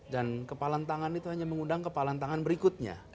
dan kepalan tangan itu hanya mengundang kepalan tangan berikutnya